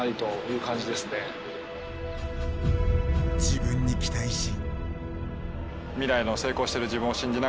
自分に期待し。